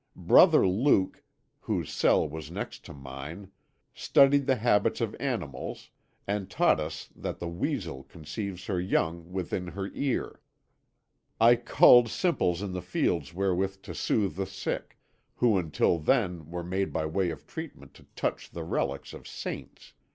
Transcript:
Brother Luke, whose cell was next to mine, studied the habits of animals and taught us that the weasel conceives her young within her ear. I culled simples in the fields wherewith to soothe the sick, who until then were made by way of treatment to touch the relics of saints.